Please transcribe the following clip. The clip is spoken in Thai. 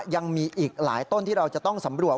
ยังมีอีกหลายต้นที่เราจะต้องสำรวจ